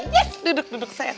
yes duduk duduk sayang